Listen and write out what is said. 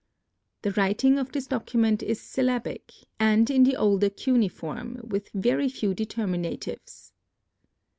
The writing of this document is syllabic; and in the older cuneiform, with very few determinatives.